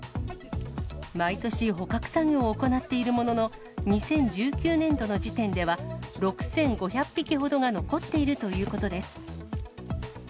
毎年捕獲作業を行っているものの、２０１９年度の時点では、６５００匹ほどが残っているということです。